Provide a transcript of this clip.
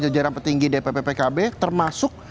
jajaran petinggi dpp pkb termasuk